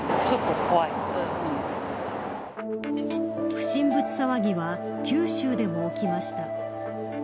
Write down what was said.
不審物騒ぎは九州でも起きました。